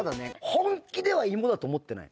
本気では芋だと思ってない。